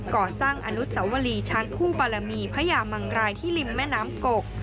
ก่อสร้างอนุสวรีช้างคู่บารมีพญามังรายที่ริมแม่น้ำกก